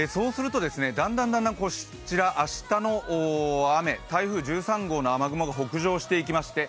だんだんだんだん、こちら明日の雨、台風１３号の雨雲が北上していきまして